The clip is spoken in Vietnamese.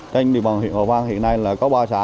cảnh địa bàn huyện hòa vang hiện nay có ba xã